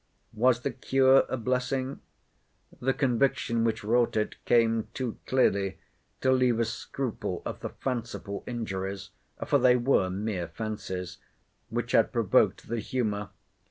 Was the cure a blessing? The conviction which wrought it, came too clearly to leave a scruple of the fanciful injuries—for they were mere fancies—which had provoked the humour.